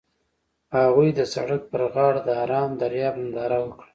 هغوی د سړک پر غاړه د آرام دریاب ننداره وکړه.